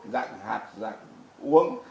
dạng hạt dạng uống